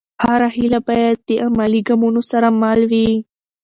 هره هېله باید د عملي ګامونو سره مل وي.